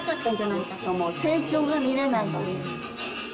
成長が見れないという。